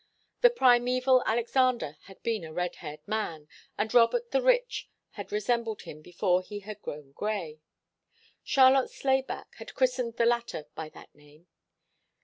The primeval Alexander had been a red haired man, and Robert the Rich had resembled him before he had grown grey. Charlotte Slayback had christened the latter by that name.